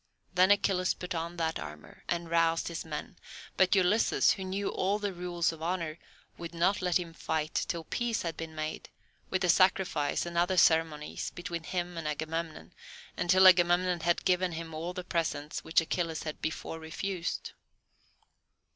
Then Achilles put on that armour, and roused his men; but Ulysses, who knew all the rules of honour, would not let him fight till peace had been made, with a sacrifice and other ceremonies, between him and Agamemnon, and till Agamemnon had given him all the presents which Achilles had before refused.